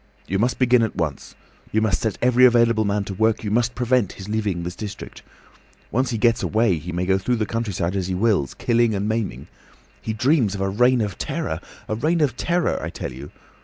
"You must begin at once. You must set every available man to work; you must prevent his leaving this district. Once he gets away, he may go through the countryside as he wills, killing and maiming. He dreams of a reign of terror! A reign of terror, I tell you.